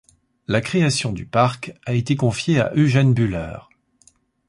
La création du parc a été confiée à Eugène Bühler.